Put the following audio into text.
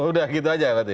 udah gitu aja berarti